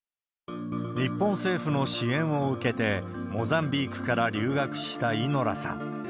日本政府の支援を受けて、モザンビークから留学したイノラさん。